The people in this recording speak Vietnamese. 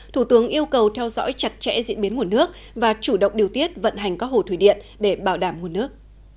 thủ tướng yêu cầu theo dõi chặt chẽ diễn biến nguồn nước và chủ động điều tiết vận hành các hồ thủy điện để bảo đảm nguồn nước